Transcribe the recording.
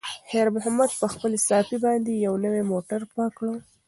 خیر محمد په خپلې صافې باندې یو نوی موټر پاک کړ.